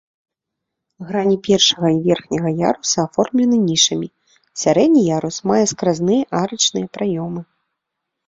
Грані першага і верхняга яруса аформлены нішамі, сярэдні ярус мае скразныя арачныя праёмы.